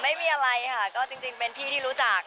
ไม่มีอะไรค่ะก็จริงเป็นพี่ที่รู้จัก